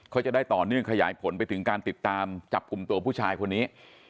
เขาจะได้ต่อเนื่องขยายผลไปถึงการติดตามจับกลุ่มตัวผู้ชายคนนี้